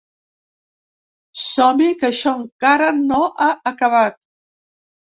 Som-hi que això encara no ha acabat!